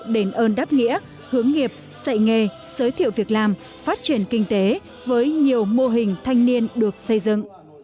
đền ơn đáp nghĩa hướng nghiệp dạy nghề giới thiệu việc làm phát triển kinh tế với nhiều mô hình thanh niên được xây dựng